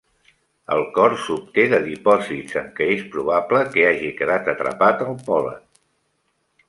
El cor s'obté de dipòsits en què és probable que hagi quedat atrapat el pol·len.